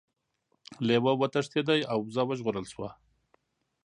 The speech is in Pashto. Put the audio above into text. لیوه وتښتید او وزه وژغورل شوه.